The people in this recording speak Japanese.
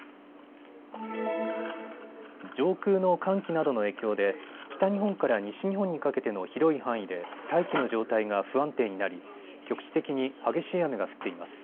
上空の寒気などの影響で北日本から西日本にかけての広い範囲で大気の状態が不安定になり局地的に激しい雨が降っています。